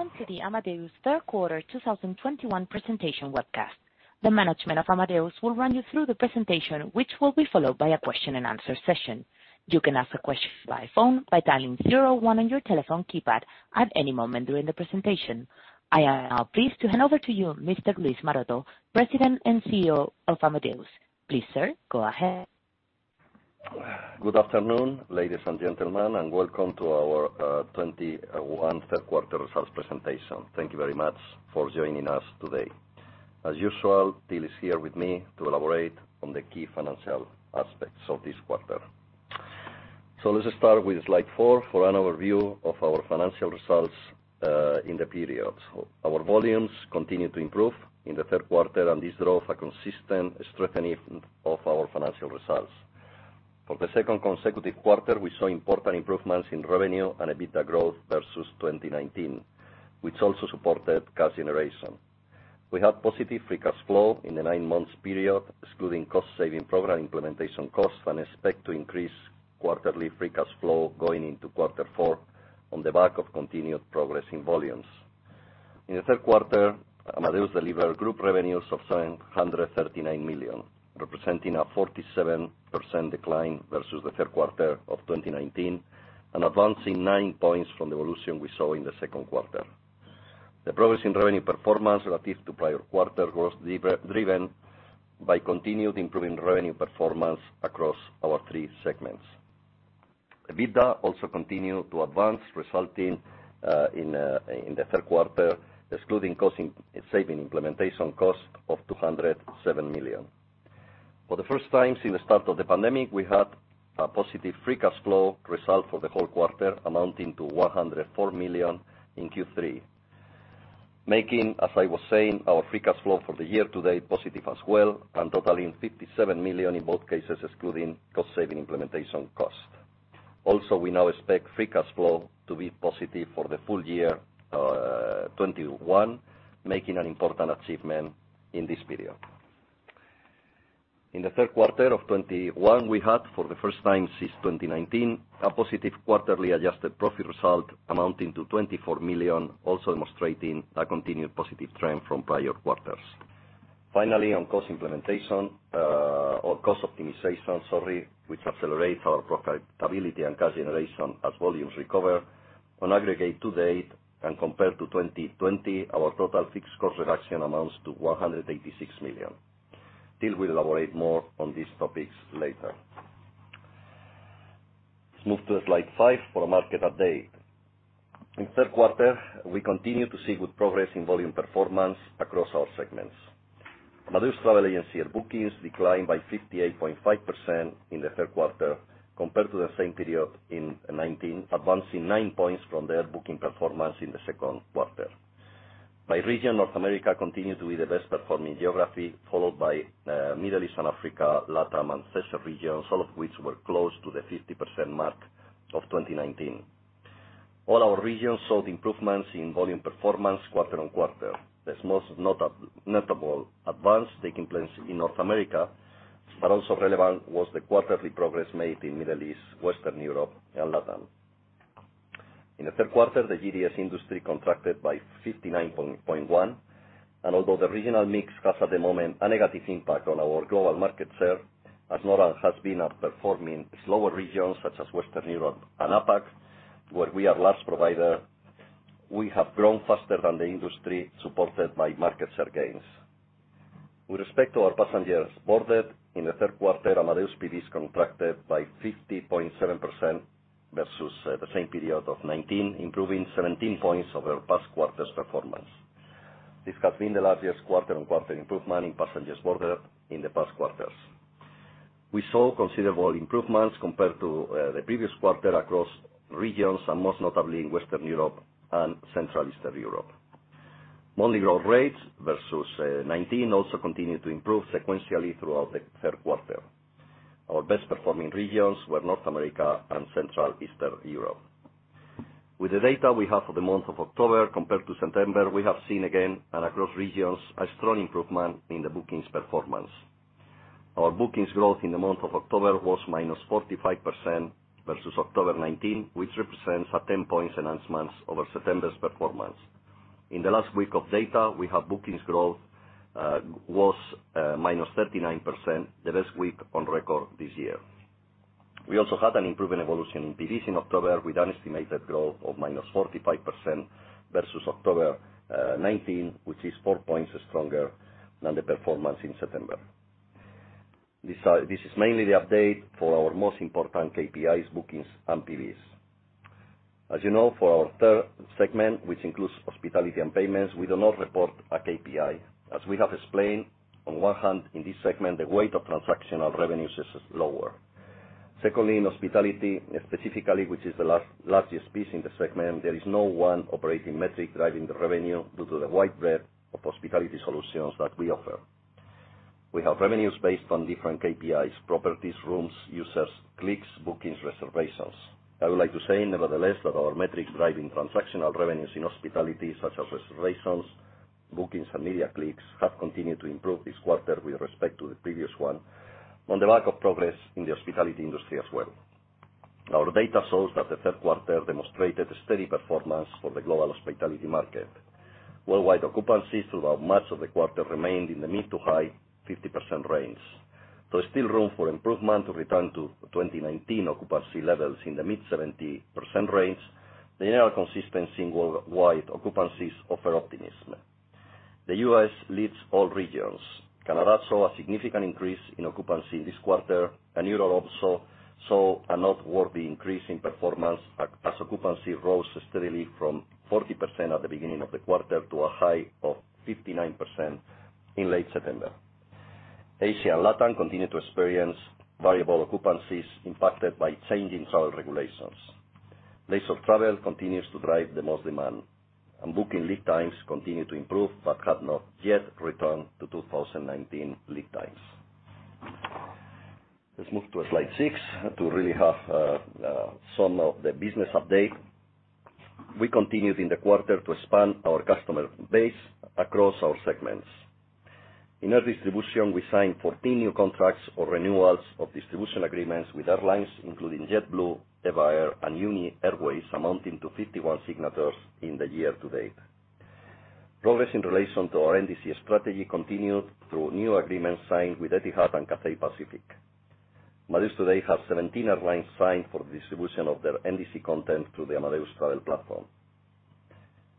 Welcome to the Amadeus Q3 2021 presentation webcast. The management of Amadeus will run you through the presentation, which will be followed by a question and answer session. You can ask a question by phone by dialing zero one on your telephone keypad at any moment during the presentation. I am now pleased to hand over to you, Mr. Luis Maroto, President and CEO of Amadeus. Please, sir, go ahead. Good afternoon, ladies and gentlemen, and welcome to our 2021 third quarter results presentation. Thank you very much for joining us today. As usual, Till is here with me to elaborate on the key financial aspects of this quarter. Let us start with slide four for an overview of our financial results in the period. Our volumes continued to improve in the third quarter, and this drove a consistent strengthening of our financial results. For the second consecutive quarter, we saw important improvements in revenue and EBITDA growth versus 2019, which also supported cash generation. We had positive free cash flow in the nine month period, excluding cost saving program implementation costs, and expect to increase quarterly free cash flow going into quarter four on the back of continued progress in volumes. In the third quarter, Amadeus delivered group revenues of 739 million, representing a 47% decline versus the third quarter of 2019 and advancing 9 points from the evolution we saw in the second quarter. The progress in revenue performance relative to prior quarter was driven by continued improving revenue performance across our three segments. EBITDA also continued to advance, resulting in the third quarter, excluding cost-saving implementation cost of 207 million. For the first time since the start of the pandemic, we had a positive free cash flow result for the whole quarter, amounting to 104 million in Q3, making, as I was saying, our free cash flow for the year to date positive as well, and totaling 57 million in both cases, excluding cost-saving implementation cost. Also, we now expect free cash flow to be positive for the full year 2021, making an important achievement in this period. In the third quarter of 2021, we had, for the first time since 2019, a positive quarterly adjusted profit result amounting to 24 million, also demonstrating a continued positive trend from prior quarters. Finally, on cost optimization, sorry, which accelerates our profitability and cash generation as volumes recover, on aggregate to date and compared to 2020, our total fixed cost reduction amounts to 186 million. Till will elaborate more on these topics later. Let's move to slide five for a market update. In the third quarter, we continue to see good progress in volume performance across all segments. Amadeus travel agency air bookings declined by 58.5% in the third quarter compared to the same period in 2019, advancing 9 points from the air booking performance in the second quarter. By region, North America continued to be the best performing geography, followed by Middle East and Africa, LatAm, and Asia regions, all of which were close to the 50% mark of 2019. All our regions saw the improvements in volume performance quarter-on-quarter. The most notable advance taking place in North America, but also relevant was the quarterly progress made in Middle East, Western Europe, and LatAm. In the third quarter, the GDS industry contracted by 59.1%, and although the regional mix has, at the moment, a negative impact on our global market share, as NORAM has been outperforming slower regions such as Western Europe and APAC, where we are last provider, we have grown faster than the industry, supported by market share gains. With respect to our passengers boarded, in the third quarter, Amadeus PDS contracted by 50.7% versus the same period of 2019, improving 17 points over past quarters' performance. This has been the largest quarter-on-quarter improvement in passengers boarded in the past quarters. We saw considerable improvements compared to the previous quarter across regions, and most notably in Western Europe and Central Eastern Europe. Monthly growth rates versus 2019 also continued to improve sequentially throughout the third quarter. Our best performing regions were North America and Central Eastern Europe. With the data we have for the month of October compared to September, we have seen again and across regions a strong improvement in the bookings performance. Our bookings growth in the month of October was -45% versus October 2019, which represents a 10 points enhancement over September's performance. In the last week of data, our bookings growth was -39%, the best week on record this year. We also had an improving evolution in PDS in October with an estimated growth of -45% versus October 2019, which is 4 points stronger than the performance in September. This is mainly the update for our most important KPIs, bookings and PDS. As you know, for our third segment, which includes hospitality and payments, we do not report a KPI. As we have explained, on one hand, in this segment, the weight of transactional revenues is lower. Secondly, in hospitality specifically, which is the largest piece in the segment, there is no one operating metric driving the revenue due to the wide breadth of hospitality solutions that we offer. We have revenues based on different KPIs, properties, rooms, users, clicks, bookings, reservations. I would like to say, nevertheless, that our metrics driving transactional revenues in hospitality, such as reservations, bookings and media clicks have continued to improve this quarter with respect to the previous one on the back of progress in the hospitality industry as well. Our data shows that the third quarter demonstrated a steady performance for the global hospitality market. Worldwide occupancies throughout much of the quarter remained in the mid- to high-50% range. There's still room for improvement to return to the 2019 occupancy levels in the mid-70% range. The annual consistency worldwide occupancies offer optimism. The U.S. leads all regions. Canada saw a significant increase in occupancy this quarter, and Europe saw a noteworthy increase in performance as occupancy rose steadily from 40% at the beginning of the quarter to a high of 59% in late September. Asia and Latin continue to experience variable occupancies impacted by changing travel regulations. Leisure travel continues to drive the most demand, and booking lead times continue to improve but have not yet returned to 2019 lead times. Let's move to slide six to really have some of the business update. We continued in the quarter to expand our customer base across our segments. In air distribution, we signed 14 new contracts or renewals of distribution agreements with airlines, including JetBlue, EVA Air, and UNI Airways, amounting to 51 signatures in the year to date. Progress in relation to our NDC strategy continued through new agreements signed with Etihad and Cathay Pacific. Amadeus today has 17 airlines signed for the distribution of their NDC content through the Amadeus Travel Platform.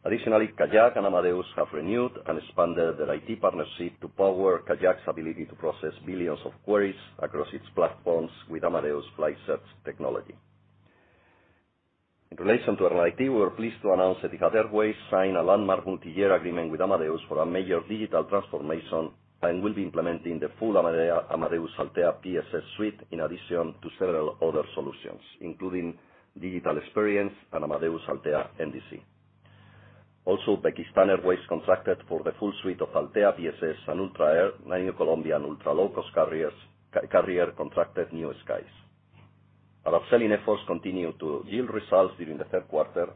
Additionally, KAYAK and Amadeus have renewed and expanded their IT partnership to power KAYAK's ability to process billions of queries across its platforms with Amadeus Flight Search technology. In relation to airline IT, we were pleased to announce Etihad Airways signed a landmark multi-year agreement with Amadeus for a major digital transformation and will be implementing the full Amadeus Altéa PSS suite in addition to several other solutions, including digital experience and Amadeus Altéa NDC. Pakistan International Airlines contracted for the full suite of Altéa PSS, and Ultra Air, new Colombian ultra-low-cost carrier contracted New Skies. Our upselling efforts continued to yield results during the third quarter,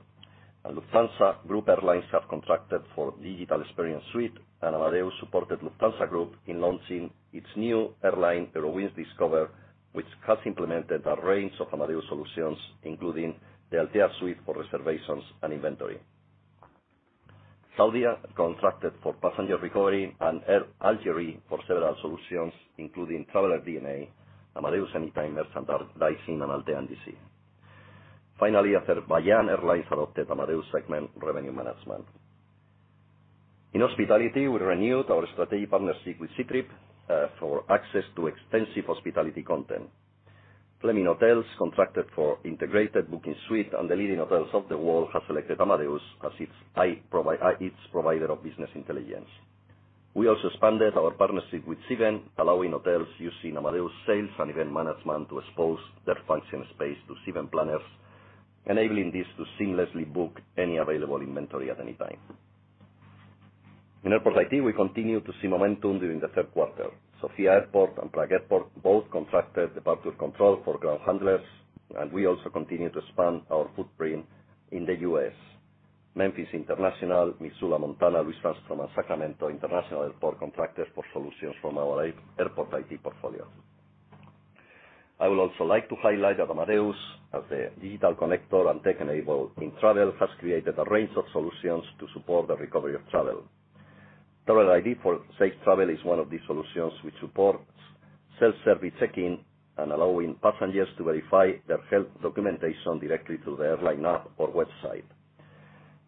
and Lufthansa Group airlines have contracted for Digital Experience Suite, and Amadeus supported Lufthansa Group in launching its new airline, Eurowings Discover, which has implemented a range of Amadeus solutions, including the Altéa suite for reservations and inventory. Saudia contracted for passenger recovery and Air Algérie for several solutions, including Traveler DNA, Amadeus Anytime, and DiSC and Altéa NDC. Finally, Azerbaijan Airlines adopted Amadeus Segment Revenue Management. In hospitality, we renewed our strategic partnership with Ctrip for access to extensive hospitality content. Flemings Hotels contracted for integrated booking suite, and The Leading Hotels of the World have selected Amadeus as its provider of business intelligence. We also expanded our partnership with Cvent, allowing hotels using Amadeus Sales & Event Management to expose their function space to Cvent planners, enabling this to seamlessly book any available inventory at any time. In Airport IT, we continued to see momentum during the third quarter. Sofia Airport and Prague Airport both contracted departure control for ground handlers, and we also continued to expand our footprint in the U.S. Memphis International Airport, Missoula Montana Airport, Louis Armstrong New Orleans International Airport, and Sacramento International Airport contracted for solutions from our airport IT portfolio. I would also like to highlight that Amadeus, as a digital connector and tech enabler in travel, has created a range of solutions to support the recovery of travel. Traveler ID for safe travel is one of these solutions which supports self-service check-in and allowing passengers to verify their health documentation directly through the airline app or website.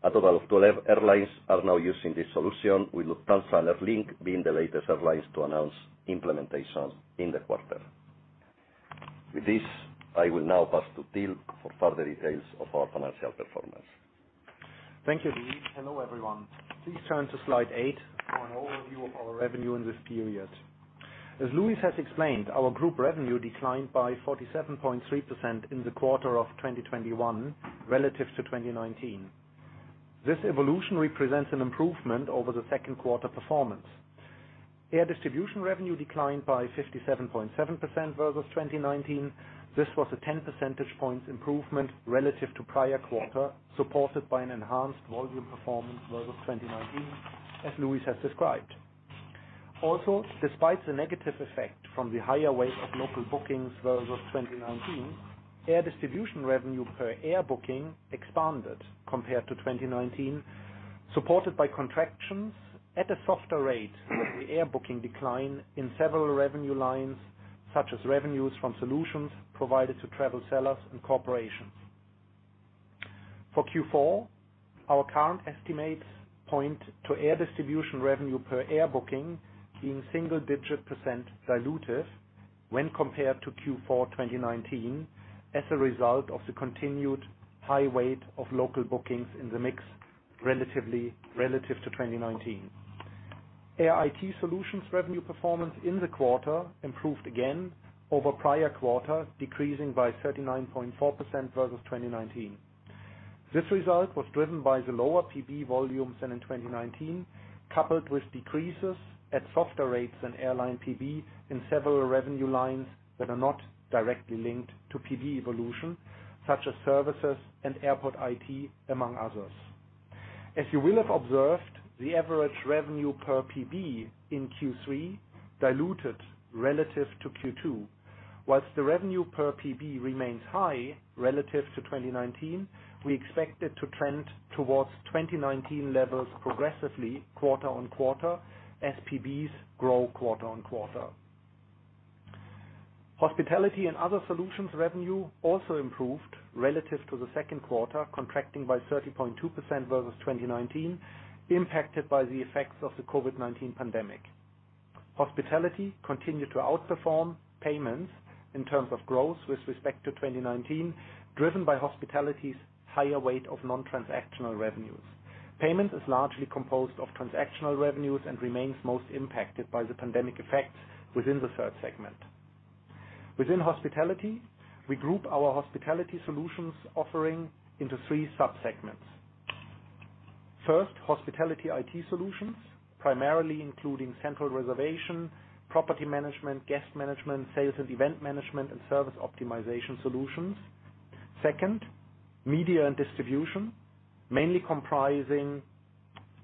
A total of 12 airlines are now using this solution, with Lufthansa and Airlink being the latest airlines to announce implementation in the quarter. With this, I will now pass to Till for further details of our financial performance. Thank you, Luis. Hello, everyone. Please turn to slide eight for an overview of our revenue in this period. As Luis has explained, our group revenue declined by 47.3% in the quarter of 2021 relative to 2019. This evolution represents an improvement over the second quarter performance. Air Distribution revenue declined by 57.7% versus 2019. This was a 10 percentage points improvement relative to prior quarter, supported by an enhanced volume performance versus 2019, as Luis has described. Also, despite the negative effect from the higher weight of local bookings versus 2019, Air Distribution revenue per air booking expanded compared to 2019, supported by contractions at a softer rate than the air booking decline in several revenue lines, such as revenues from solutions provided to travel sellers and corporations. For Q4, our current estimates point to Air Distribution revenue per air booking being single-digit % dilutive when compared to Q4 2019 as a result of the continued high weight of local bookings in the mix relative to 2019. Air IT Solutions revenue performance in the quarter improved again over prior quarter, decreasing by 39.4% versus 2019. This result was driven by the lower PB volumes than in 2019, coupled with decreases at softer rates than airline PB in several revenue lines that are not directly linked to PB evolution, such as services and airport IT, among others. As you will have observed, the average revenue per PB in Q3 diluted relative to Q2. While the revenue per PB remains high relative to 2019, we expect it to trend towards 2019 levels progressively quarter-on-quarter as PBs grow quarter-on-quarter. Hospitality & Other Solutions revenue also improved relative to the second quarter, contracting by 30.2% versus 2019, impacted by the effects of the COVID-19 pandemic. Hospitality continued to outperform payments in terms of growth with respect to 2019, driven by hospitality's higher weight of non-transactional revenues. Payments is largely composed of transactional revenues and remains most impacted by the pandemic effects within the third segment. Within hospitality, we group our hospitality solutions offering into three sub-segments. First, hospitality IT solutions, primarily including central reservation, property management, guest management, sales and event management, and service optimization solutions. Second, media and distribution, mainly comprising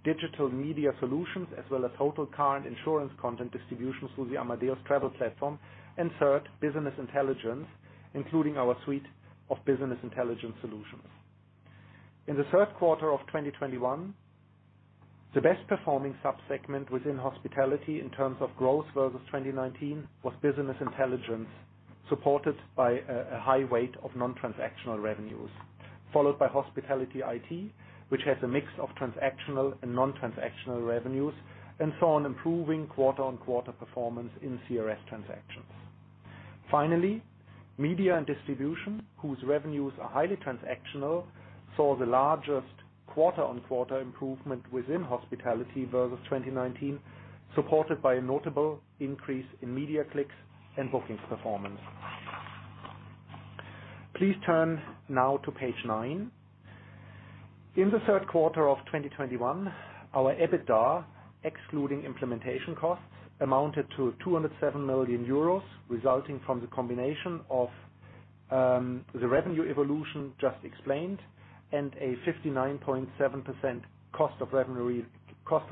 digital media solutions as well as hotel current insurance content distributions through the Amadeus Travel Platform. Third, business intelligence, including our suite of business intelligence solutions. In the third quarter of 2021, the best performing sub-segment within hospitality in terms of growth versus 2019 was business intelligence, supported by a high weight of non-transactional revenues, followed by hospitality IT, which has a mix of transactional and non-transactional revenues, and saw an improving quarter-on-quarter performance in CRS transactions. Finally, media and distribution, whose revenues are highly transactional, saw the largest quarter-on-quarter improvement within hospitality versus 2019, supported by a notable increase in media clicks and bookings performance. Please turn now to page nine. In the third quarter of 2021, our EBITDA, excluding implementation costs, amounted to 207 million euros, resulting from the combination of the revenue evolution just explained and a 59.7% cost of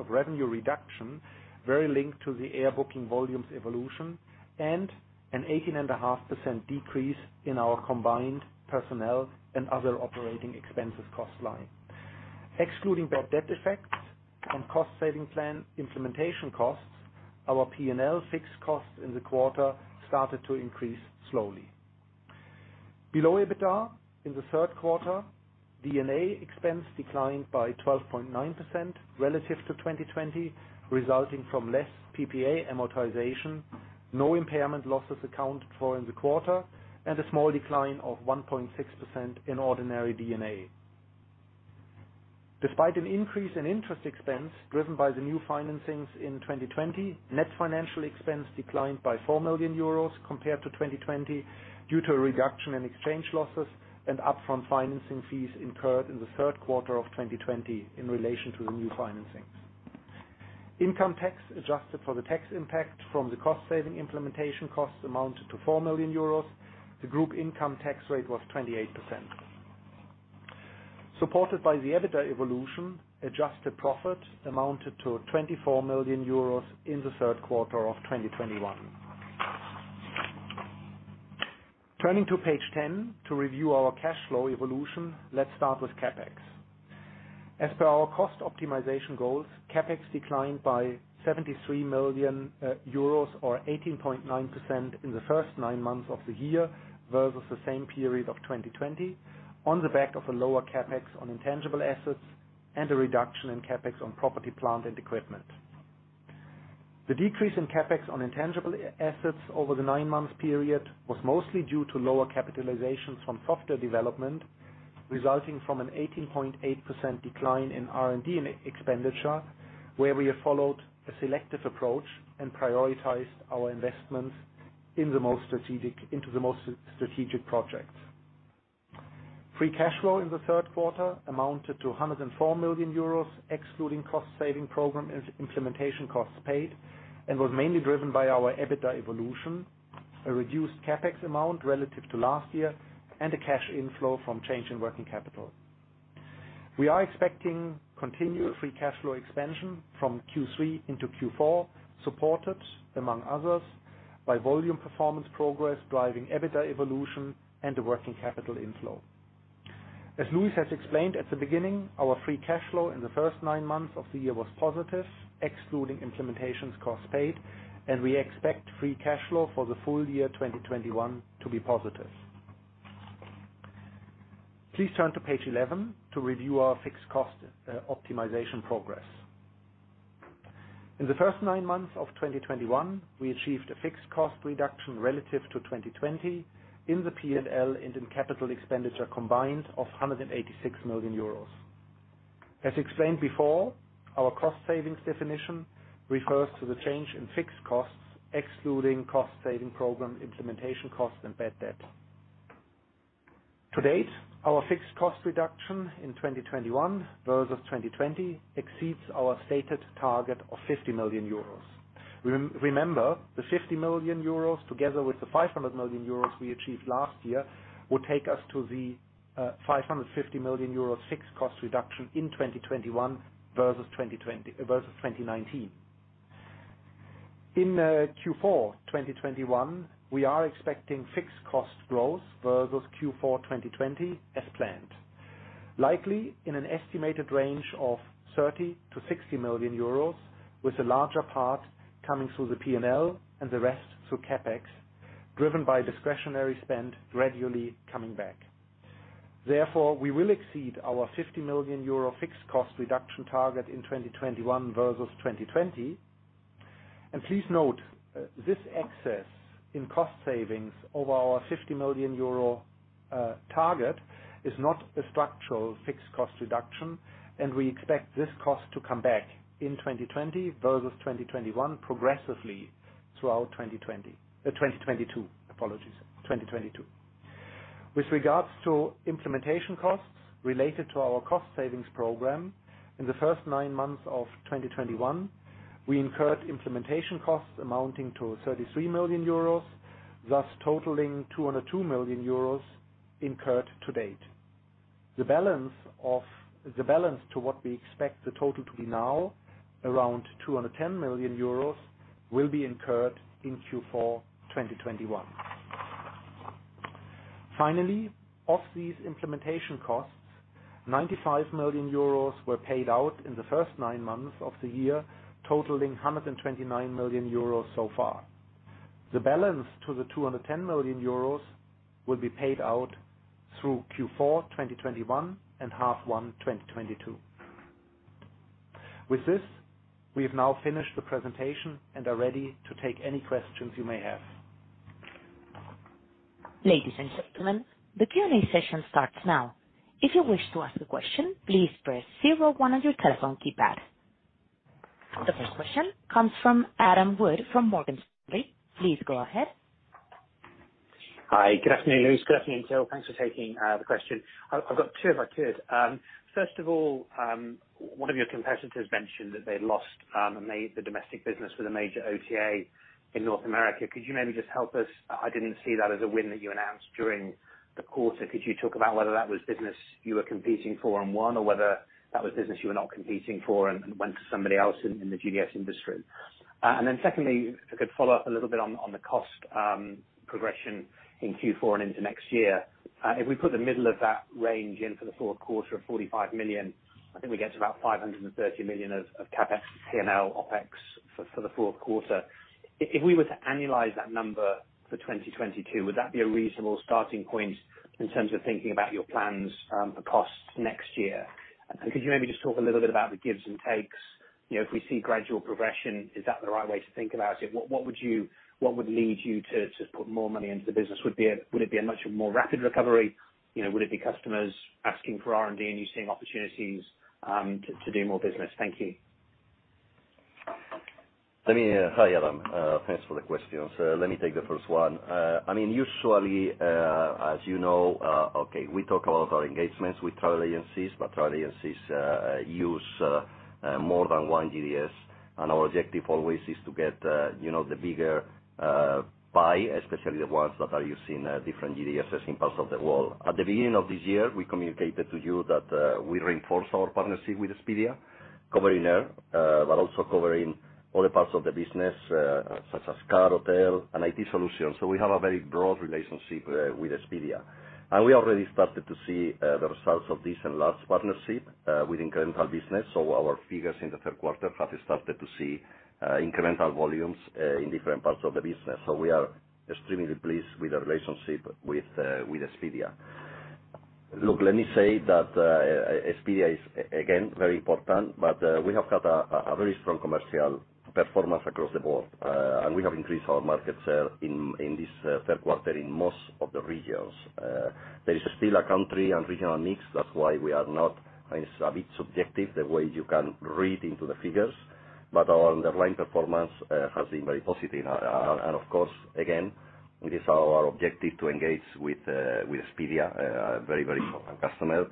revenue reduction, very linked to the air booking volumes evolution and an 18.5% decrease in our combined personnel and other operating expenses cost line. Excluding bad debt effects and cost saving plan implementation costs, our P&L fixed costs in the quarter started to increase slowly. Below EBITDA in the third quarter, DNA expense declined by 12.9% relative to 2020, resulting from less PPA amortization, no impairment losses accounted for in the quarter, and a small decline of 1.6% in ordinary DNA. Despite an increase in interest expense driven by the new financings in 2020, net financial expense declined by 4 million euros compared to 2020 due to a reduction in exchange losses and upfront financing fees incurred in the third quarter of 2020 in relation to the new financings. Income tax adjusted for the tax impact from the cost saving implementation costs amounted to 4 million euros. The group income tax rate was 28%. Supported by the EBITDA evolution, adjusted profit amounted to 24 million euros in the third quarter of 2021. Turning to page 10 to review our cash flow evolution, let's start with CapEx. As per our cost optimization goals, CapEx declined by 73 million euros or 18.9% in the first nine months of the year versus the same period of 2020 on the back of a lower CapEx on intangible assets and a reduction in CapEx on property, plant, and equipment. The decrease in CapEx on intangible assets over the nine-month period was mostly due to lower capitalizations from software development, resulting from an 18.8% decline in R&D expenditure, where we have followed a selective approach and prioritized our investments in the most strategic projects. Free cash flow in the third quarter amounted to 104 million euros, excluding cost saving program implementation costs paid, and was mainly driven by our EBITDA evolution, a reduced CapEx amount relative to last year, and a cash inflow from change in working capital. We are expecting continued free cash flow expansion from Q3 into Q4, supported among others by volume performance progress driving EBITDA evolution and the working capital inflow. As Luis has explained at the beginning, our free cash flow in the first nine months of the year was positive, excluding implementations costs paid, and we expect free cash flow for the full year 2021 to be positive. Please turn to page 11 to review our fixed cost optimization progress. In the first nine months of 2021, we achieved a fixed cost reduction relative to 2020 in the P&L and in capital expenditure combined of 186 million euros. As explained before, our cost savings definition refers to the change in fixed costs, excluding cost saving program implementation costs and bad debt. To date, our fixed cost reduction in 2021 versus 2020 exceeds our stated target of 50 million euros. Remember, the 50 million euros, together with the 500 million euros we achieved last year, will take us to the 550 million euros fixed cost reduction in 2021 versus 2019. In Q4 2021, we are expecting fixed cost growth versus Q4 2020 as planned, likely in an estimated range of 30 million-60 million euros, with the larger part coming through the P&L and the rest through CapEx, driven by discretionary spend gradually coming back. Therefore, we will exceed our 50 million euro fixed cost reduction target in 2021 versus 2020. Please note, this excess in cost savings over our 50 million euro target is not a structural fixed cost reduction, and we expect this cost to come back in 2020 versus 2021 progressively throughout 2020. 2022. Apologies. 2022. With regards to implementation costs related to our cost savings program, in the first nine months of 2021, we incurred implementation costs amounting to 33 million euros, thus totaling 202 million euros incurred to date. The balance to what we expect the total to be now, around 210 million euros, will be incurred in Q4 2021. Finally, of these implementation costs, 95 million euros were paid out in the first nine months of the year, totaling 129 million euros so far. The balance to the 210 million euros will be paid out through Q4 2021 and H1 2022. With this, we have now finished the presentation and are ready to take any questions you may have. Ladies and gentlemen, the Q&A session starts now. If you wish to ask a question, please press zero one on your telephone keypad. The first question comes from Adam Wood from Morgan Stanley. Please go ahead. Hi. Good afternoon, Luis. Good afternoon, Till. Thanks for taking the question. I've got two if I could. First of all, one of your competitors mentioned that they lost the domestic business with a major OTA in North America. Could you maybe just help us? I didn't see that as a win that you announced during the quarter. Could you talk about whether that was business you were competing for and won, or whether that was business you were not competing for and went to somebody else in the GDS industry? Secondly, if I could follow up a little bit on the cost progression in Q4 and into next year. If we put the middle of that range in for the fourth quarter of 45 million, I think we get to about 530 million of CapEx, P&L, OpEx for the fourth quarter. If we were to annualize that number for 2022, would that be a reasonable starting point in terms of thinking about your plans for costs next year? Could you maybe just talk a little bit about the gives and takes? You know, if we see gradual progression, is that the right way to think about it? What would lead you to put more money into the business? Would it be a much more rapid recovery? You know, would it be customers asking for R&D, and you seeing opportunities to do more business? Thank you. Hi, Adam. Thanks for the questions. Let me take the first one. We talk a lot about engagements with travel agencies, but travel agencies use more than one GDS. Our objective always is to get, you know, the bigger pie, especially the ones that are using different GDSs in parts of the world. At the beginning of this year, we communicated to you that we reinforced our partnership with Expedia, covering air, but also covering other parts of the business, such as car, hotel, and IT solutions. We have a very broad relationship with Expedia. We already started to see the results of this enlarged partnership with incremental business. Our figures in the third quarter have started to see incremental volumes in different parts of the business. We are extremely pleased with the relationship with Expedia. Look, let me say that, Expedia is again very important, but we have had a very strong commercial performance across the board. We have increased our market share in this third quarter in most of the regions. There is still a country and regional mix. That's why we are not, and it's a bit subjective the way you can read into the figures, but our underlying performance has been very positive. Of course, again, it is our objective to engage with Expedia, a very, very important customer.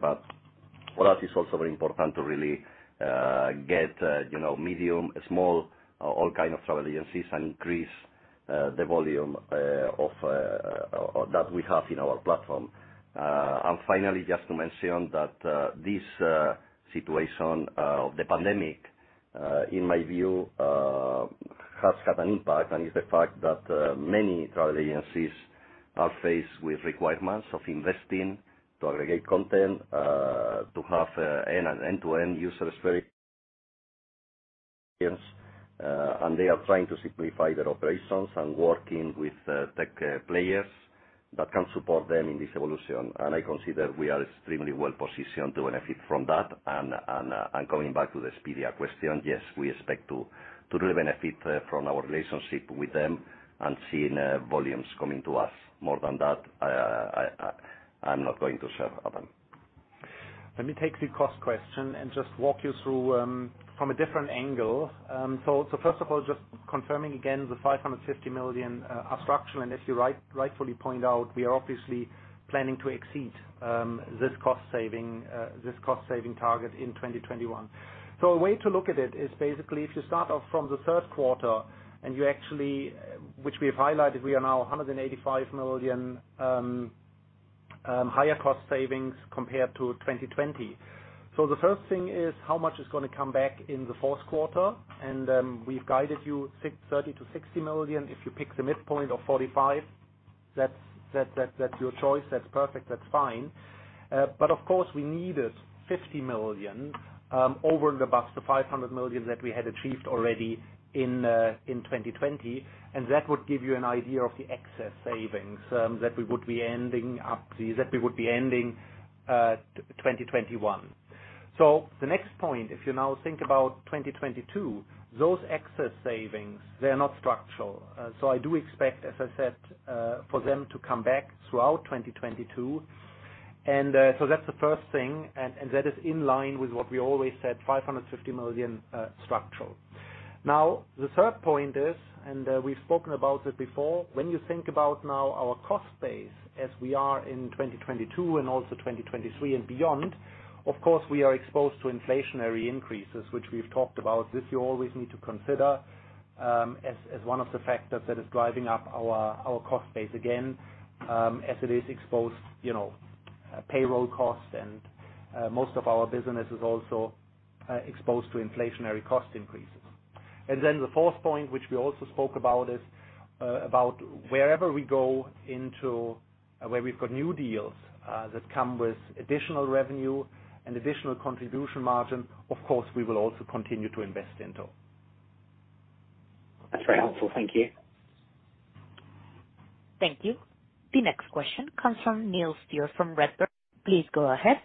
For us, it's also very important to really get you know medium small all kind of travel agencies and increase the volume of that we have in our platform. Finally, just to mention that this situation of the pandemic in my view has had an impact, and it's the fact that many travel agencies are faced with requirements of investing to aggregate content to have end-to-end user experience, and they are trying to simplify their operations and working with tech players that can support them in this evolution. I consider we are extremely well positioned to benefit from that. Coming back to the Expedia question, yes, we expect to really benefit from our relationship with them and seeing volumes coming to us. More than that, I'm not going to share, Adam. Let me take the cost question and just walk you through from a different angle. First of all, just confirming again the 550 million are structural, and as you rightly, rightfully point out, we are obviously planning to exceed this cost saving target in 2021. A way to look at it is basically if you start off from the third quarter, and you actually, which we have highlighted, we are now 185 million higher cost savings compared to 2020. The first thing is how much is gonna come back in the fourth quarter, and we've guided you 30 million-60 million. If you pick the midpoint of 45, that's your choice. That's perfect. That's fine. Of course, we need 50 million over and above the 500 million that we had achieved already in 2020, and that would give you an idea of the excess savings that we would be ending 2021. The next point, if you now think about 2022, those excess savings, they are not structural. I do expect, as I said, for them to come back throughout 2022. That's the first thing. That is in line with what we always said, 550 million structural. Now, the third point is, we've spoken about it before, when you think about now our cost base as we are in 2022 and also 2023 and beyond, of course, we are exposed to inflationary increases, which we've talked about. This you always need to consider, as one of the factors that is driving up our cost base again, as it is exposed, you know, payroll costs and most of our business is also exposed to inflationary cost increases. The fourth point, which we also spoke about is, about wherever we go into where we've got new deals, that come with additional revenue and additional contribution margin, of course, we will also continue to invest into. That's very helpful. Thank you. Thank you. The next question comes from Neil Steer from Redburn. Please go ahead.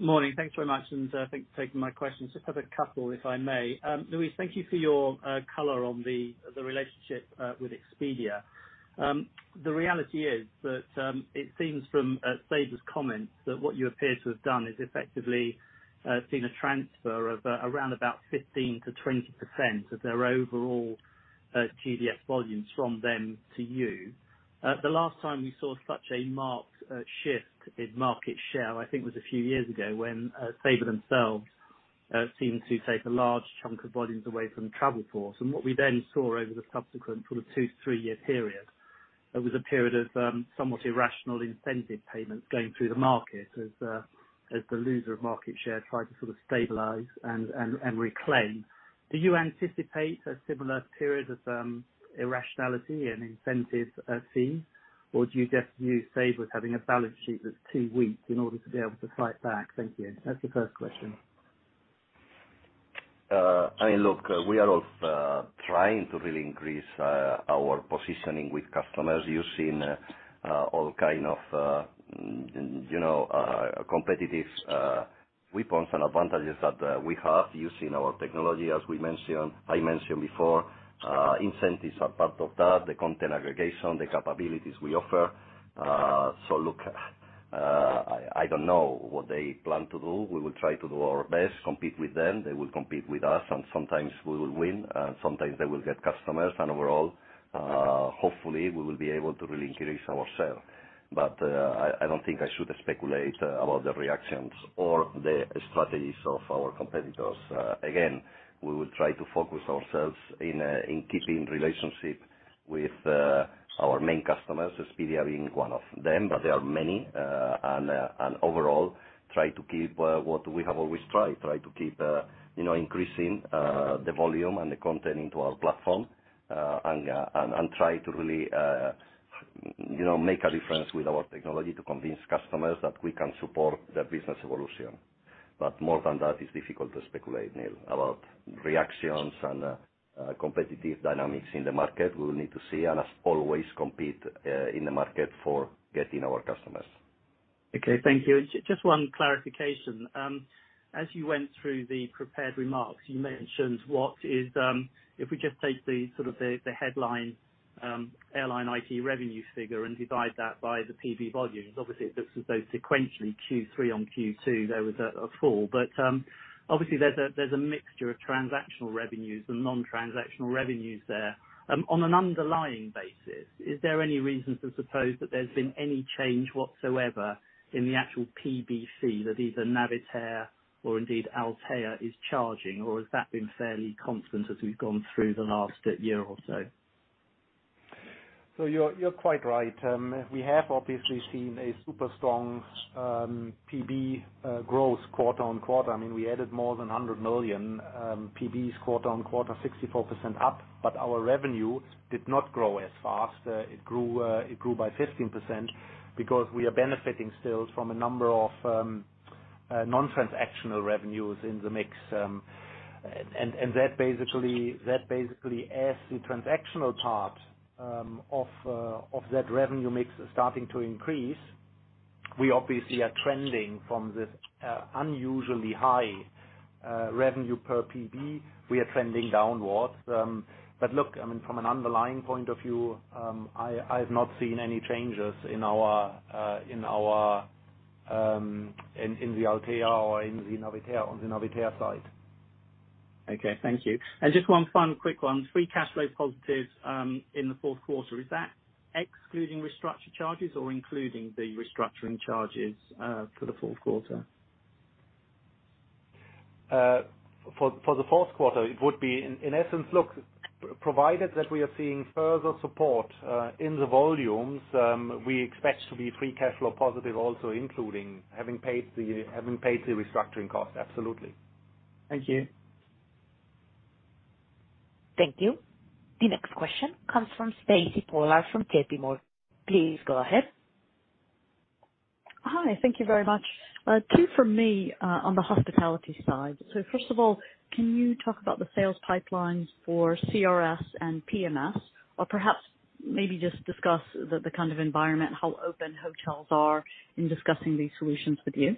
Morning. Thanks very much for taking my questions. I just have a couple, if I may. Luis, thank you for your color on the relationship with Expedia. The reality is that it seems from Sabre's comments that what you appear to have done is effectively seen a transfer of around about 15%-20% of their overall GDS volumes from them to you. The last time we saw such a marked shift in market share was a few years ago when Sabre themselves seemed to take a large chunk of volumes away from Travelport. What we then saw over the subsequent sort of two-three year period was a period of somewhat irrational incentive payments going through the market as the loser of market share tried to sort of stabilize and reclaim. Do you anticipate a similar period of irrationality and incentive fee? Or do you just view Sabre as having a balance sheet that's too weak in order to be able to fight back? Thank you. That's the first question. I mean, look, we are trying to really increase our positioning with customers using all kind of, you know, competitive weapons and advantages that we have using our technology, as we mentioned, I mentioned before. Incentives are part of that, the content aggregation, the capabilities we offer. Look, I don't know what they plan to do. We will try to do our best, compete with them. They will compete with us, and sometimes we will win, and sometimes they will get customers. Overall, hopefully, we will be able to really increase our share. I don't think I should speculate about the reactions or the strategies of our competitors. Again, we will try to focus on keeping relationships with our main customers, Expedia being one of them, but there are many. Overall, try to keep what we have always tried, you know, increasing the volume and the content into our platform, and try to really, you know, make a difference with our technology to convince customers that we can support their business evolution. More than that, it's difficult to speculate, Neil, about reactions and competitive dynamics in the market. We'll need to see and as always compete in the market for getting our customers. Okay. Thank you. Just one clarification. As you went through the prepared remarks, you mentioned what is, if we just take the sort of the headline airline IT revenue figure and divide that by the PB volumes, obviously, this was both sequentially Q3 on Q2, there was a fall. Obviously there's a mixture of transactional revenues and non-transactional revenues there. On an underlying basis, is there any reason to suppose that there's been any change whatsoever in the actual PBC that either Navitaire or indeed Altéa is charging, or has that been fairly constant as we've gone through the last year or so? You're quite right. We have obviously seen a super strong PB growth quarter-on-quarter. I mean, we added more than 100 million PBs quarter-on-quarter, 64% up, but our revenue did not grow as fast. It grew by 15% because we are benefiting still from a number of non-transactional revenues in the mix. And that basically as the transactional part of that revenue mix starting to increase, we obviously are trending from this unusually high. Revenue per PB, we are trending downwards. Look, I mean, from an underlying point of view, I have not seen any changes in our Altéa or in the Navitaire, on the Navitaire side. Okay. Thank you. Just one final quick one. Free cash flow positives in the fourth quarter. Is that excluding restructuring charges or including the restructuring charges for the fourth quarter? For the fourth quarter, it would be in essence. Look, provided that we are seeing further support in the volumes, we expect to be free cash flow positive also including having paid the restructuring cost. Absolutely. Thank you. Thank you. The next question comes from Stacy Pollard from J.P. Morgan. Please go ahead. Hi. Thank you very much. Two from me on the hospitality side. First of all, can you talk about the sales pipelines for CRS and PMS? Or perhaps maybe just discuss the kind of environment, how open hotels are in discussing these solutions with you.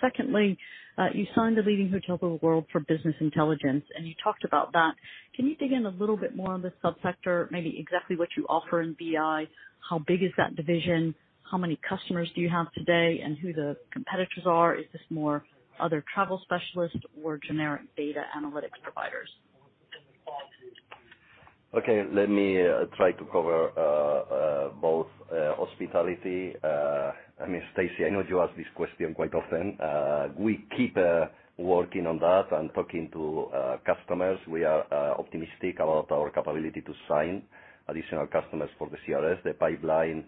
Secondly, you signed The Leading Hotels of the World for business intelligence, and you talked about that. Can you dig in a little bit more on the sub-sector, maybe exactly what you offer in BI? How big is that division? How many customers do you have today and who the competitors are? Is this more other travel specialists or generic data analytics providers? Okay. Let me try to cover both hospitality. I mean, Stacy, I know you ask this question quite often. We keep working on that and talking to customers. We are optimistic about our capability to sign additional customers for the CRS. The pipeline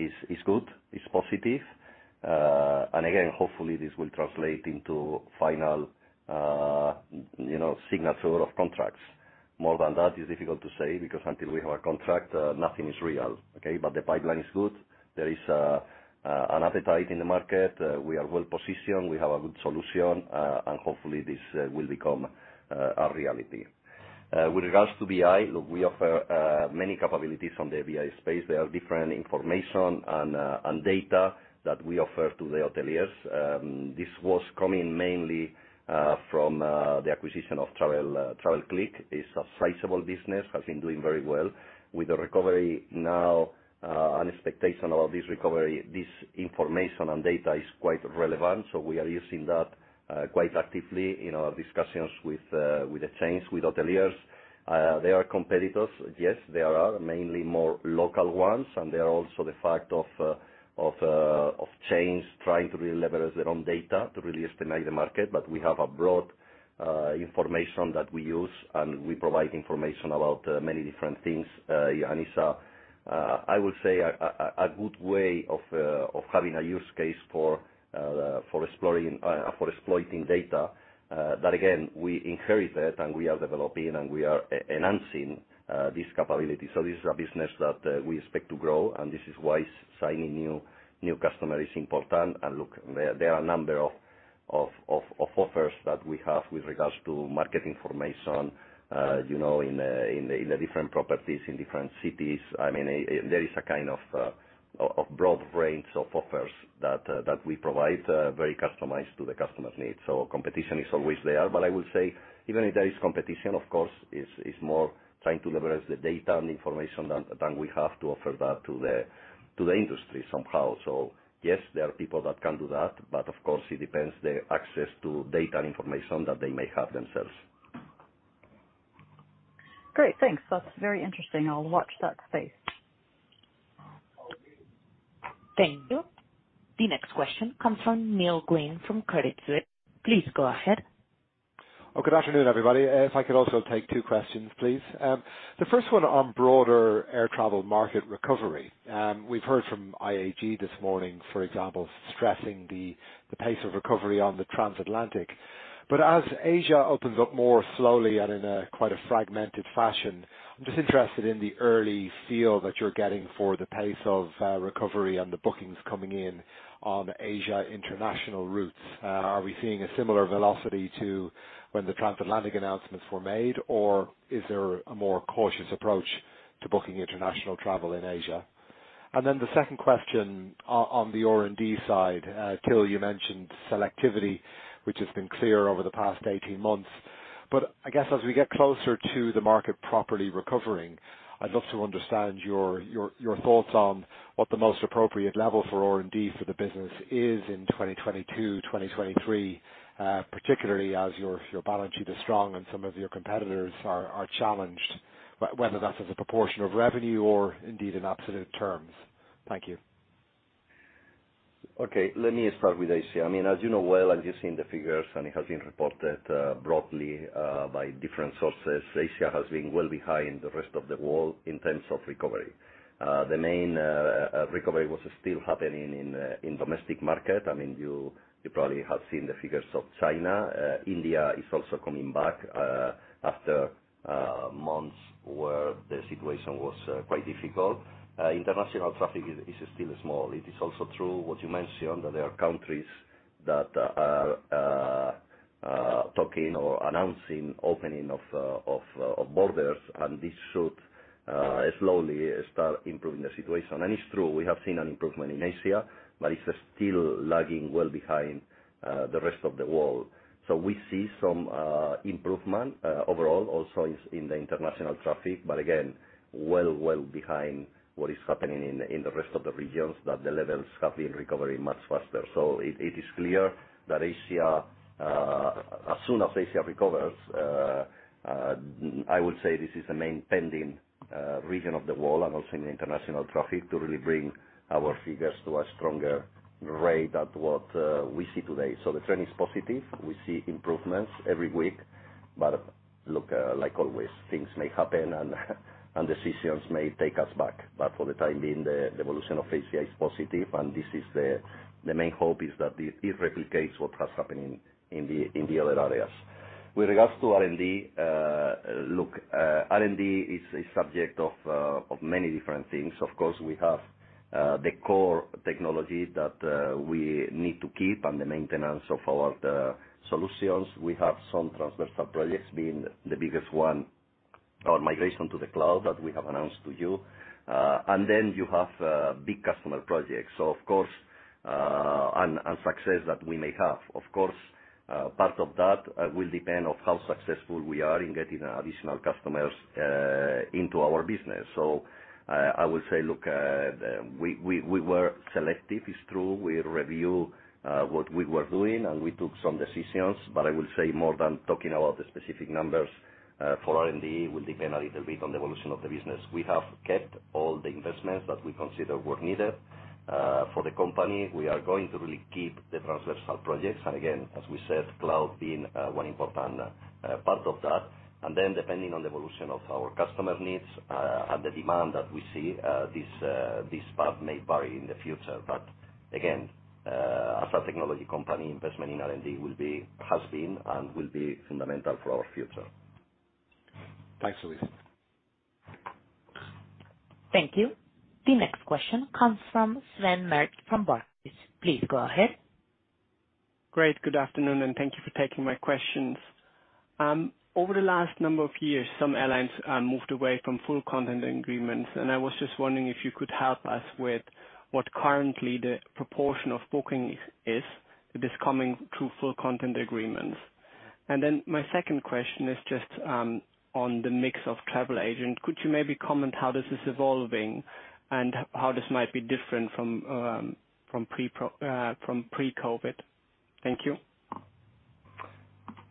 is good, is positive. And again, hopefully this will translate into final, you know, signature of contracts. More than that is difficult to say because until we have a contract, nothing is real, okay? But the pipeline is good. There is an appetite in the market. We are well-positioned. We have a good solution. And hopefully this will become a reality. With regards to BI, look, we offer many capabilities from the BI space. There are different information and data that we offer to the hoteliers. This was coming mainly from the acquisition of TravelClick. It's a sizable business, has been doing very well. With the recovery now, an expectation about this recovery, this information and data is quite relevant, so we are using that quite actively in our discussions with the chains, with hoteliers. There are competitors, yes. There are mainly more local ones, and there are also the fact of chains trying to really leverage their own data to really estimate the market. We have a broad information that we use, and we provide information about many different things. It's a good way of having a use case for exploring, for exploiting data that we inherit and we are developing and we are enhancing this capability. This is a business that we expect to grow, and this is why signing new customer is important. Look, there are a number of offers that we have with regards to market information, you know, in the different properties in different cities. I mean, there is a kind of of broad range of offers that we provide, very customized to the customer's needs. Competition is always there. I would say even if there is competition, of course, is more trying to leverage the data and information than we have to offer that to the industry somehow. Yes, there are people that can do that, but of course it depends their access to data information that they may have themselves. Great. Thanks. That's very interesting. I'll watch that space. Thank you. The next question comes from Neil Green from Credit Suisse. Please go ahead. Oh, good afternoon, everybody. If I could also take two questions, please. The first one on broader air travel market recovery. We've heard from IAG this morning, for example, stressing the pace of recovery on the transatlantic. As Asia opens up more slowly and in a quite a fragmented fashion, I'm just interested in the early feel that you're getting for the pace of recovery and the bookings coming in on Asia international routes. Are we seeing a similar velocity to when the transatlantic announcements were made, or is there a more cautious approach to booking international travel in Asia? Then the second question on the R&D side. Till, you mentioned selectivity, which has been clear over the past eighteen months. I guess as we get closer to the market properly recovering, I'd love to understand your thoughts on what the most appropriate level for R&D for the business is in 2022, 2023, particularly as your balance sheet is strong and some of your competitors are challenged, whether that's as a proportion of revenue or indeed in absolute terms. Thank you. Okay. Let me start with Asia. I mean, as you know well, as you've seen the figures and it has been reported, broadly, by different sources, Asia has been well behind the rest of the world in terms of recovery. The main recovery was still happening in the domestic market. I mean, you probably have seen the figures of China. India is also coming back, after months where the situation was quite difficult. International traffic is still small. It is also true what you mentioned, that there are countries that are talking or announcing opening of borders, and this should slowly start improving the situation. It's true, we have seen an improvement in Asia, but it's still lagging well behind the rest of the world. We see some improvement overall, also in the international traffic, but again, well behind what is happening in the rest of the regions that the levels have been recovering much faster. It is clear that Asia, as soon as Asia recovers, I would say this is the main pending region of the world and also in international traffic to really bring our figures to a stronger rate than what we see today. The trend is positive. We see improvements every week. But look, like always, things may happen and decisions may take us back. But for the time being, the evolution of Asia is positive, and this is the main hope, that it replicates what has happened in the other areas. With regards to R&D, look, R&D is a subject of many different things. Of course, we have the core technology that we need to keep and the maintenance of our solutions. We have some transversal projects, being the biggest one, our migration to the cloud that we have announced to you. Then you have big customer projects. Of course, success that we may have. Of course, part of that will depend on how successful we are in getting additional customers into our business. I would say, look, we were selective, it's true. We review what we were doing, and we took some decisions, but I will say more than talking about the specific numbers for R&D will depend a little bit on the evolution of the business. We have kept all the investments that we consider were needed for the company. We are going to really keep the transversal projects. Again, as we said, cloud being one important part of that. Then depending on the evolution of our customers' needs and the demand that we see, this part may vary in the future. Again, as a technology company, investment in R&D will be, has been, and will be fundamental for our future. Thanks, Luis. Thank you. The next question comes from Sven Merkt from Barclays. Please go ahead. Great. Good afternoon, and thank you for taking my questions. Over the last number of years, some airlines moved away from full content agreements, and I was just wondering if you could help us with what currently the proportion of bookings is that is coming through full content agreements. Then my second question is just on the mix of travel agent. Could you maybe comment how this is evolving and how this might be different from pre-COVID? Thank you.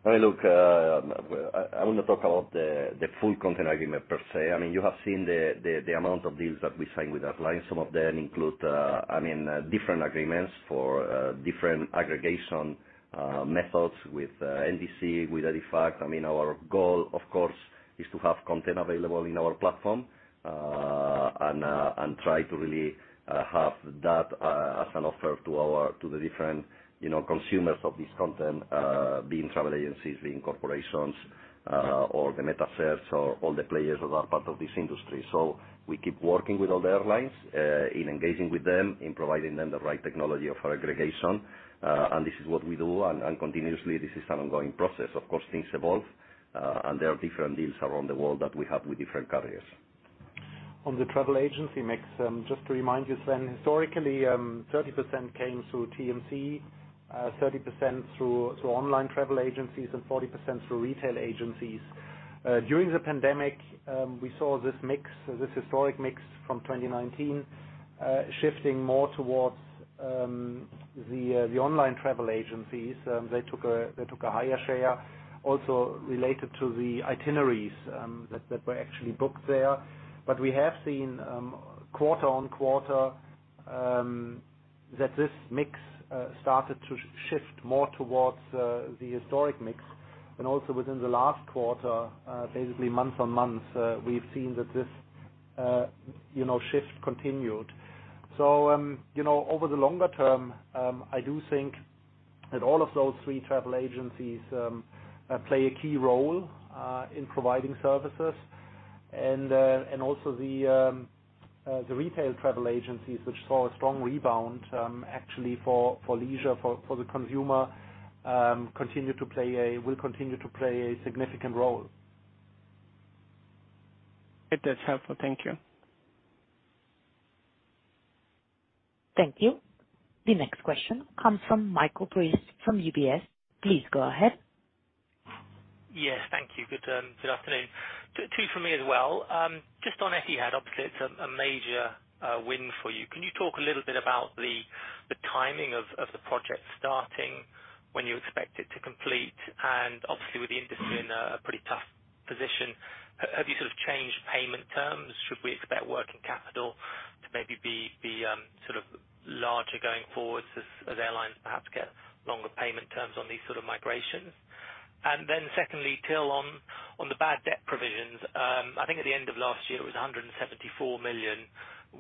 I mean, look, I wanna talk about the full content agreement per se. I mean, you have seen the amount of deals that we signed with airlines. Some of them include, I mean, different agreements for different aggregation methods with NDC, with EDIFACT. I mean, our goal, of course, is to have content available in our platform, and try to really have that as an offer to the different, you know, consumers of this content, being travel agencies, being corporations, or the metasearch or all the players that are part of this industry. We keep working with all the airlines, in engaging with them, in providing them the right technology of our aggregation. And this is what we do and continuously, this is an ongoing process. Of course, things evolve, and there are different deals around the world that we have with different carriers. On the travel agency mix, just to remind you, Sven, historically, 30% came through TMC, 30% through online travel agencies and 40% through retail agencies. During the pandemic, we saw this mix, this historic mix from 2019, shifting more towards the online travel agencies. They took a higher share also related to the itineraries that were actually booked there. We have seen quarter-on-quarter that this mix started to shift more towards the historic mix. Also within the last quarter, basically month-on-month, we've seen that this you know shift continued. You know, over the longer term, I do think that all of those three travel agencies play a key role in providing services. also the retail travel agencies, which saw a strong rebound, actually for leisure, for the consumer, will continue to play a significant role. It is helpful. Thank you. Thank you. The next question comes from Michael Briest from UBS. Please go ahead. Yes. Thank you. Good afternoon. Too for me as well. Just on Etihad, obviously, it's a major win for you. Can you talk a little bit about the timing of the project starting, when you expect it to complete? Obviously, with the industry in a pretty tough position, have you sort of changed payment terms? Should we expect working capital to maybe be sort of larger going forwards as airlines perhaps get longer payment terms on these sort of migrations? Secondly, Till, on the bad debt provisions, I think at the end of last year, it was 174 million.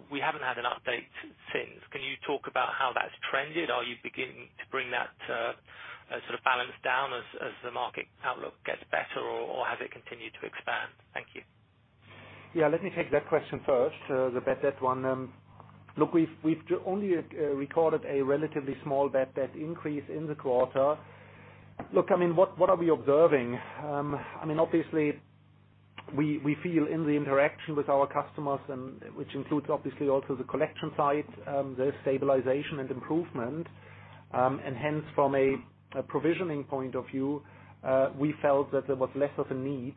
We haven't had an update since. Can you talk about how that's trended? Are you beginning to bring that, sort of balance down as the market outlook gets better, or has it continued to expand? Thank you. Yeah, let me take that question first, the bad debt one. Look, we've only recorded a relatively small bad debt increase in the quarter. Look, I mean, what are we observing? I mean, obviously, we feel in the interaction with our customers and which includes obviously also the collection side, there's stabilization and improvement. Hence from a provisioning point of view, we felt that there was less of a need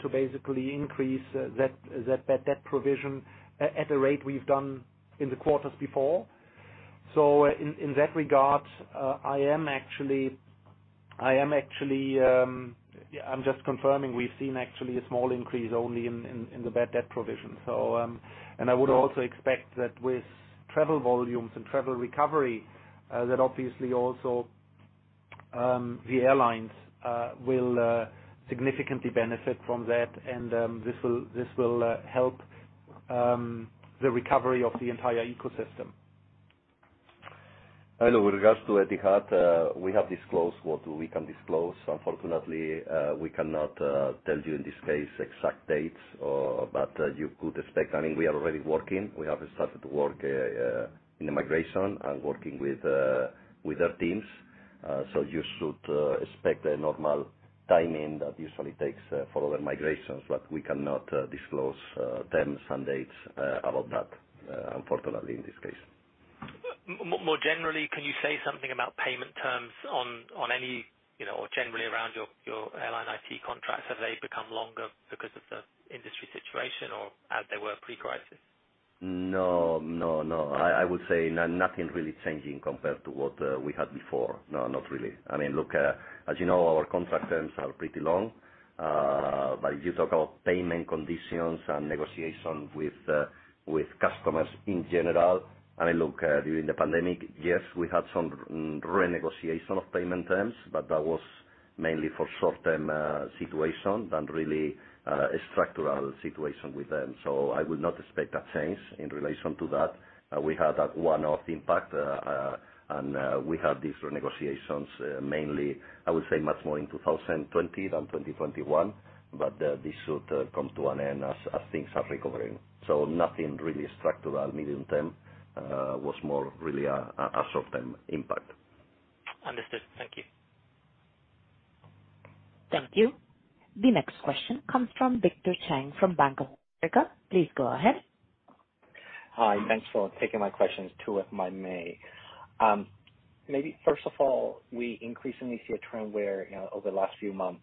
to basically increase that bad debt provision at the rate we've done in the quarters before. In that regard, I am actually. I'm just confirming we've seen actually a small increase only in the bad debt provision. I would also expect that with travel volumes and travel recovery, that obviously also the airlines will significantly benefit from that. This will help the recovery of the entire ecosystem. Hello. With regards to Etihad, we have disclosed what we can disclose. Unfortunately, we cannot tell you in this case exact dates, but you could expect, I mean, we are already working. We have started to work in the migration and working with our teams. You should expect a normal timing that usually takes for other migrations, but we cannot disclose terms and dates about that, unfortunately in this case. More generally, can you say something about payment terms on any, you know, or generally around your airline IT contracts? Have they become longer because of the industry situation or as they were pre-crisis? No, no. I would say nothing really changing compared to what we had before. No, not really. I mean, look, as you know, our contract terms are pretty long. But if you talk about payment conditions and negotiation with customers in general, I mean look, during the pandemic, yes, we had some renegotiation of payment terms, but that was mainly for short-term situation rather than really a structural situation with them. I would not expect a change in relation to that. We had that one-off impact. And we had these renegotiations mainly, I would say, much more in 2020 than 2021. This should come to an end as things are recovering. Nothing really structural medium-term was more really a short-term impact. Understood. Thank you. Thank you. The next question comes from Victor Cheng from Bank of America. Please go ahead. Hi. Thanks for taking my questions, two if I may. Maybe first of all, we increasingly see a trend where, you know, over the last few months,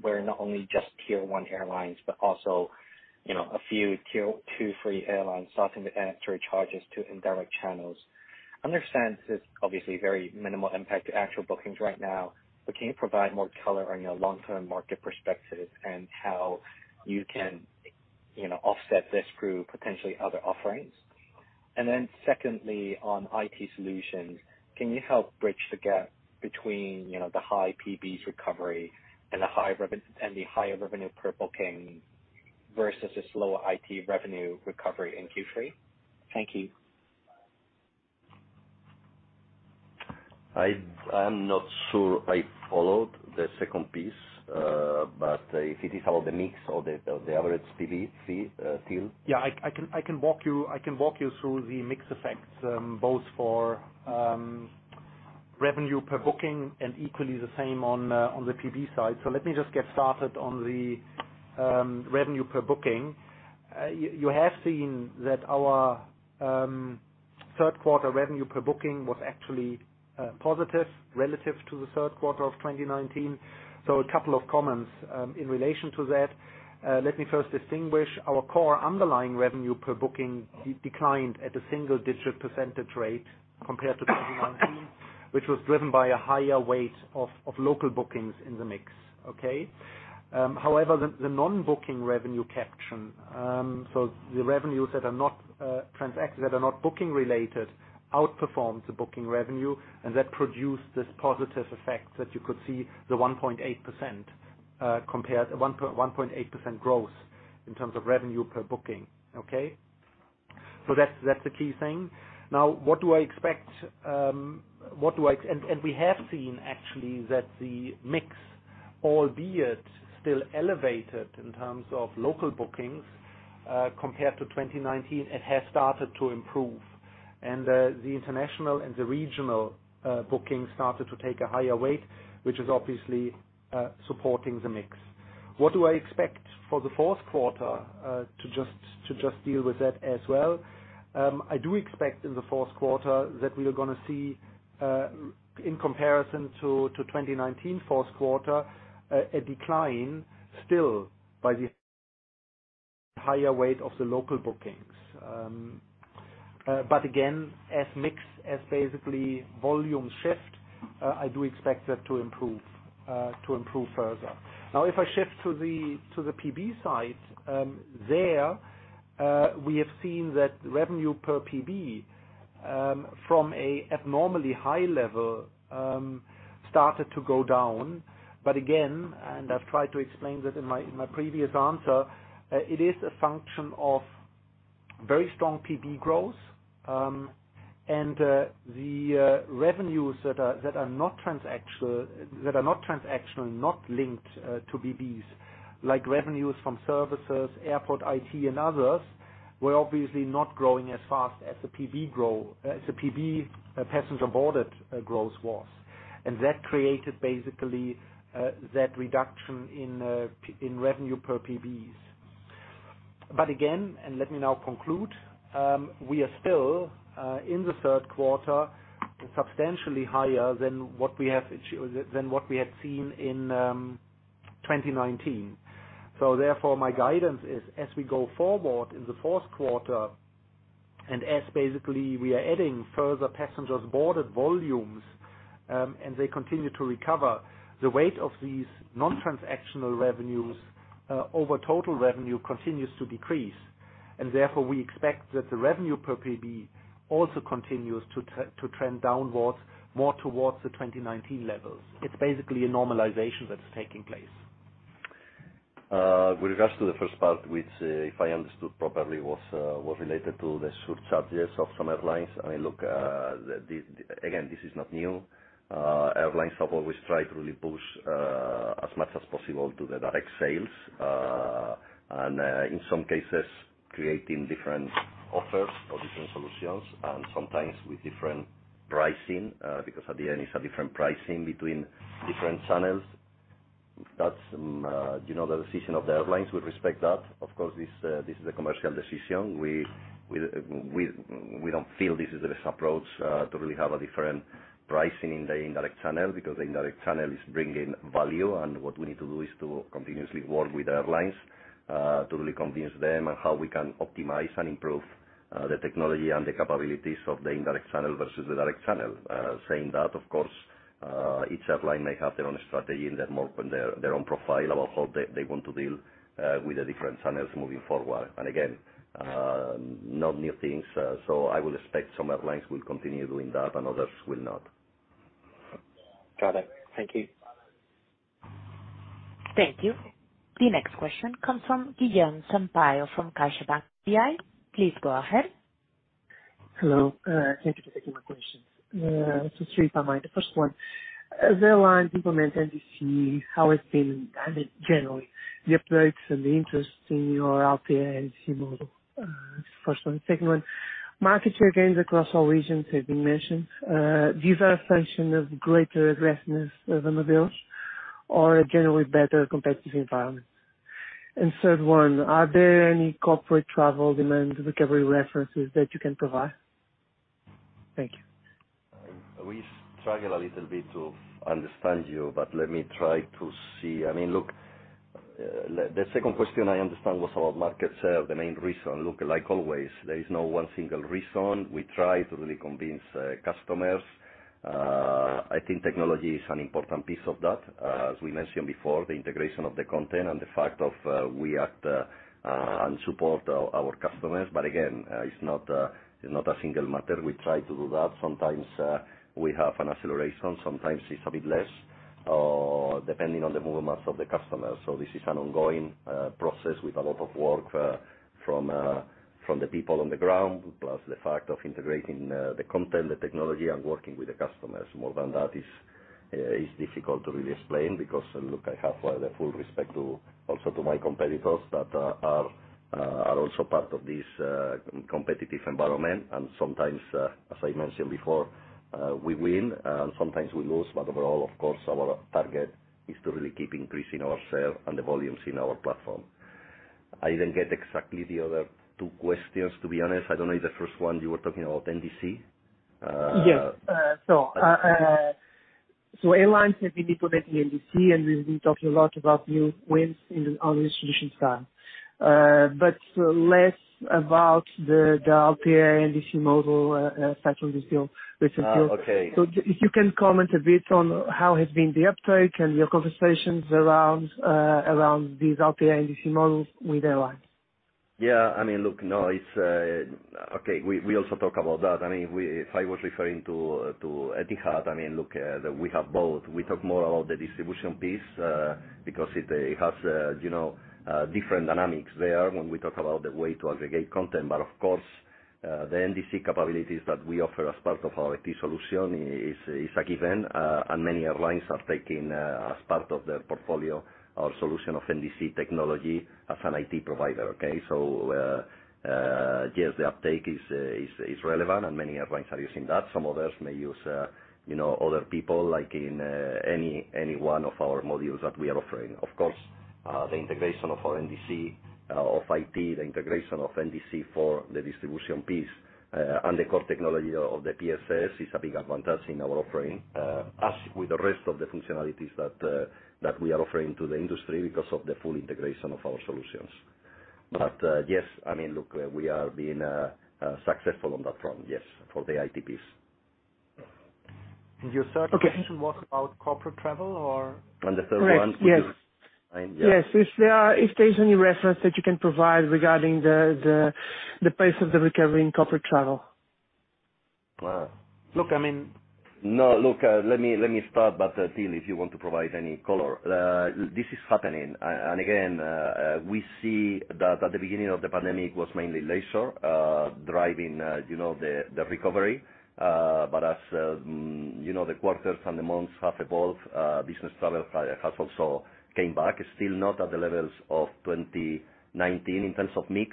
where not only just Tier 1 airlines, but also, you know, a few Tier 2, 3 airlines starting to add surcharges to indirect channels. I understand there's obviously very minimal impact to actual bookings right now. But can you provide more color on your long-term market perspective and how you can, you know, offset this through potentially other offerings? And then secondly, on IT solutions, can you help bridge the gap between, you know, the high PBs recovery and the higher revenue per booking versus the slower IT revenue recovery in Q3? Thank you. I'm not sure I followed the second piece. If it is how the mix or the average PB fee, feel. Yeah, I can walk you through the mix effects, both for revenue per booking and equally the same on the PB side. Let me just get started on the revenue per booking. You have seen that our third quarter revenue per booking was actually positive relative to the third quarter of 2019. A couple of comments in relation to that. Let me first distinguish our core underlying revenue per booking declined at a single-digit percentage rate compared to 2019. Which was driven by a higher weight of local bookings in the mix. Okay? However, the non-booking revenue caption, so the revenues that are not transacted, that are not booking related, outperformed the booking revenue. That produced this positive effect that you could see the 1.8% growth in terms of revenue per booking. Okay? That's the key thing. Now, what do I expect? We have seen actually that the mix, albeit still elevated in terms of local bookings, compared to 2019, it has started to improve. The international and the regional bookings started to take a higher weight, which is obviously supporting the mix. What do I expect for the fourth quarter to just deal with that as well? I do expect in the fourth quarter that we are gonna see, in comparison to 2019 fourth quarter, a decline still by the higher weight of the local bookings. Again, as the mix, basically a volume shift, I do expect that to improve further. Now, if I shift to the PB side, we have seen that revenue per PB from an abnormally high level started to go down. Again, I've tried to explain that in my previous answer, it is a function of very strong PB growth, and the revenues that are not transactional, not linked to PBs, like revenues from services, Airport IT, and others, were obviously not growing as fast as the PB passengers boarded growth was. That created basically that reduction in revenue per PBs. Again, let me now conclude, we are still in the third quarter substantially higher than what we had seen in 2019. Therefore, my guidance is as we go forward in the fourth quarter, and as basically we are adding further passengers boarded volumes, and they continue to recover, the weight of these non-transactional revenues over total revenue continues to decrease. Therefore, we expect that the revenue per PB also continues to trend downwards more towards the 2019 levels. It's basically a normalization that's taking place. With regards to the first part, which, if I understood properly, was related to the surcharges of some airlines. I mean, look, again, this is not new. Airlines have always tried to really push as much as possible to the direct sales. In some cases, creating different offers or different solutions, and sometimes with different pricing, because at the end, it's a different pricing between different channels. That's, you know, the decision of the airlines. We respect that. Of course, this is a commercial decision. We don't feel this is the best approach to really have a different pricing in the indirect channel, because the indirect channel is bringing value, and what we need to do is to continuously work with airlines to really convince them on how we can optimize and improve the technology and the capabilities of the indirect channel versus the direct channel. Saying that, of course, each airline may have their own strategy and their own profile about how they want to deal with the different channels moving forward. Again, not new things. I would expect some airlines will continue doing that and others will not. Got it. Thank you. Thank you. The next question comes from Guillaume Sampaio from CaixaBank CIB. Please go ahead. Hello. Thank you for taking my questions. So three for me. The first one, the airline implement NDC, how it's been, I mean, generally, the upgrades and the interest in your LPA NDC model? Second one, market share gains across all regions have been mentioned. These are a function of greater aggressiveness than the peers or a generally better competitive environment. Third one, are there any corporate travel demand recovery references that you can provide? Thank you. We struggle a little bit to understand you, but let me try to see. I mean, look, the second question I understand was about market share, the main reason. Look, like always, there is no one single reason. We try to really convince customers. I think technology is an important piece of that. As we mentioned before, the integration of the content and the fact that we act and support our customers. But again, it's not a single matter. We try to do that. Sometimes we have an acceleration, sometimes it's a bit less, depending on the movements of the customer. This is an ongoing process with a lot of work from the people on the ground, plus the fact of integrating the content, the technology, and working with the customers. More than that is difficult to really explain, because look, I have the full respect to, also to my competitors that are also part of this competitive environment. Sometimes, as I mentioned before, we win, and sometimes we lose. Overall, of course, our target is to really keep increasing our share and the volumes in our platform. I didn't get exactly the other two questions, to be honest. I don't know, in the first one you were talking about NDC. Yes. Airlines have been implementing NDC, and we've been talking a lot about new wins on the distribution side, but less about the LPA NDC model, especially still, recently. Okay. If you can comment a bit on how has been the uptake and your conversations around these LPA NDC models with airlines. Yeah. I mean, look, no, it's okay. We also talk about that. I mean, if I was referring to Etihad, I mean, look, we have both. We talk more about the distribution piece because it has you know different dynamics there when we talk about the way to aggregate content. Of course the NDC capabilities that we offer as part of our IT solution is a given and many airlines are taking as part of their portfolio our solution of NDC technology as an IT provider, okay? Yes, the uptake is relevant and many airlines are using that. Some others may use you know other people like in any one of our modules that we are offering. Of course, the integration of our NDC, of IT, the integration of NDC for the distribution piece, and the core technology of the PSS is a big advantage in our offering, as with the rest of the functionalities that that we are offering to the industry because of the full integration of our solutions. Yes, I mean, look, we are being successful on that front, yes, for the IT piece. Your third question. Okay. Was about corporate travel or? The third one was- Right. Yes. Fine, yeah. Yes. If there's any reference that you can provide regarding the pace of the recovery in corporate travel? Let me start, but Till, if you want to provide any color. This is happening. And again, we see that at the beginning of the pandemic, it was mainly leisure driving, you know, the recovery. But as the quarters and the months have evolved, business travel has also came back. It's still not at the levels of 2019 in terms of mix,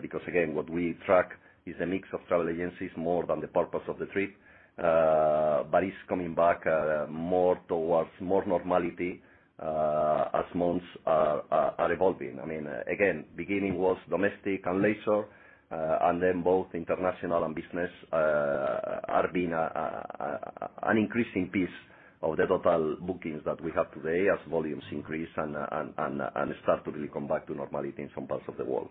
because again, what we track is a mix of travel agencies more than the purpose of the trip. But it's coming back more towards normality as months are evolving. I mean, again, beginning was domestic and leisure, and then both international and business are being an increasing piece of the total bookings that we have today as volumes increase and start to really come back to normality in some parts of the world.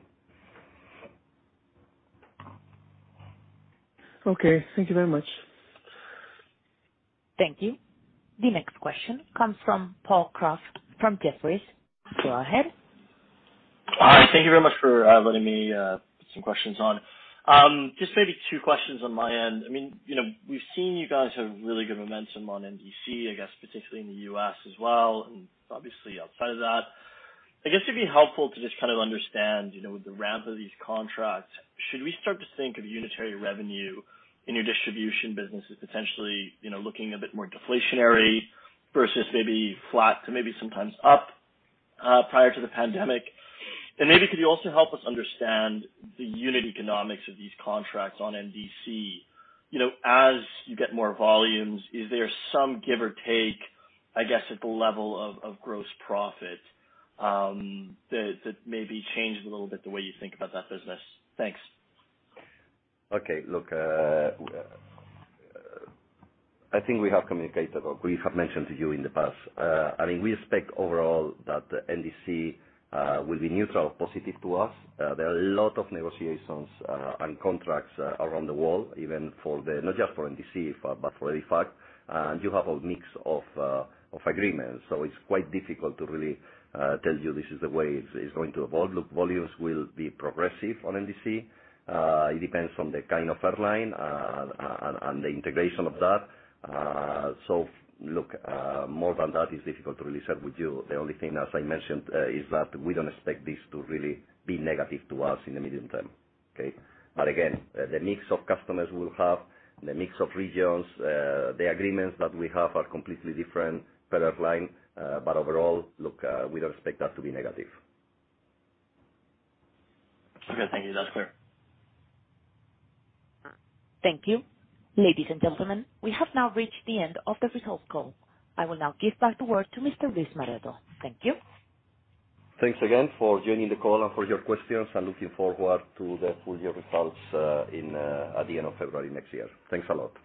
Okay. Thank you very much. Thank you. The next question comes from Paul Kratz from Jefferies. Go ahead. Hi. Thank you very much for letting me put some questions on. Just maybe two questions on my end. I mean, you know, we've seen you guys have really good momentum on NDC, I guess, particularly in the U.S. as well, and obviously outside of that. I guess it'd be helpful to just kind of understand, you know, with the ramp of these contracts, should we start to think of unit revenue in your distribution business as potentially, you know, looking a bit more deflationary versus maybe flat to maybe sometimes up, prior to the pandemic? And maybe could you also help us understand the unit economics of these contracts on NDC? You know, as you get more volumes, is there some give or take, I guess, at the level of gross profit, that maybe changed a little bit the way you think about that business? Thanks. Okay. Look, I think we have communicated or we have mentioned to you in the past. I mean, we expect overall that NDC will be neutral or positive to us. There are a lot of negotiations and contracts around the world, even not just for NDC but for EDIFACT, and you have a mix of agreements, so it's quite difficult to really tell you this is the way it's going to evolve. Look, volumes will be progressive on NDC. It depends on the kind of airline and the integration of that. So look, more than that is difficult to really share with you. The only thing, as I mentioned, is that we don't expect this to really be negative to us in the medium term. Okay? Again, the mix of customers we will have, the mix of regions, the agreements that we have are completely different per airline. But overall, look, we don't expect that to be negative. Okay. Thank you. That's clear. Thank you. Ladies and gentlemen, we have now reached the end of the results call. I will now give back the word to Mr. Luis Maroto. Thank you. Thanks again for joining the call and for your questions. I'm looking forward to the full year results at the end of February next year. Thanks a lot.